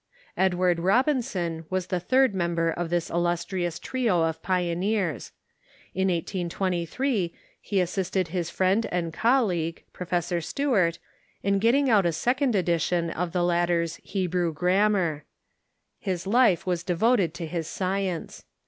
Ed\vard TUEOLOGICAL SCHOLARSHIP 633 Robinson was the third member of this iHustrious trio of pio neers. In 1823 he assisted his friend and colleague, Professor Stuart, in getting out a second edition of the latter's "Hebrew Grammar." His life was devoted to his science.